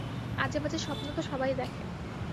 আজেবাজে স্বপ্ন তো সবাই দেখে।